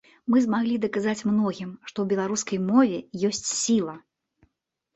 Мы змаглі даказаць многім, што ў беларускай мове ёсць сіла.